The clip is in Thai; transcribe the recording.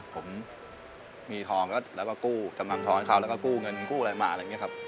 ผมมีทองแล้วก็กู้สำหรับท้อนเขากู้หน่อยกู้มาอำนาจอย่างเงี้ยครับ